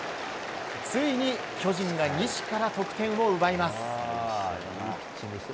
ついに巨人が西から得点を奪います。